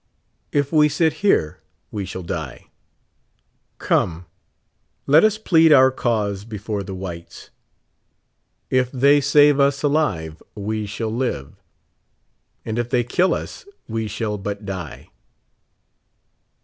If we sit here, we shall die. Come, let us plead our cause before the whites. If the}" save us alive, we shall live ; and if they kill us, we shall but die.